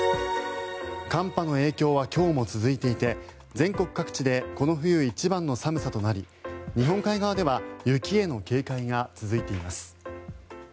寒波の影響は今日も続いていて全国各地でこの冬一番の寒さとなり日本海側では雪への警戒が続いています。